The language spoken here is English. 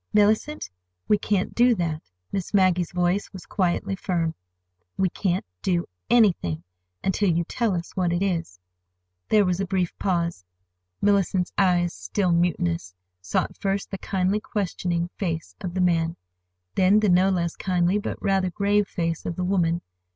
"Mellicent, we can't do that." Miss Maggie's voice was quietly firm. "We can't do—anything, until you tell us what it is." There was a brief pause. Mellicent's eyes, still mutinous, sought first the kindly questioning face of the man, then the no less kindly but rather grave face of the woman.